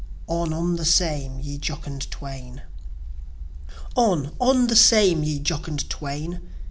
On, on the Same, Ye Jocund Twain! On, on the same, ye jocund twain!